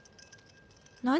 何？